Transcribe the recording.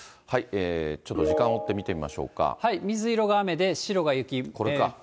ちょっと時間を追って見てみまし水色が雨で白が雪。